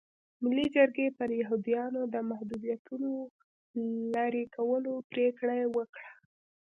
ملي جرګې پر یهودیانو د محدودیتونو لرې کولو پرېکړه وکړه.